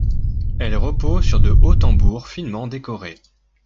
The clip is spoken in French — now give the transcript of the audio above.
Elles reposent sur de hauts tambours finement décorés.